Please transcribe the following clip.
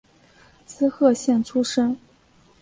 滋贺县出身。